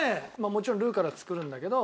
もちろんルーから作るんだけど。